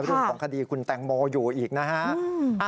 เรื่องของคดีคุณแตงโมอยู่อีกนะฮะ